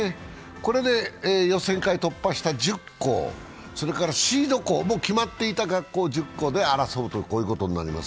これで予選会突破した１０校、それからシード校、決まっていた学校１０校で争うということになります。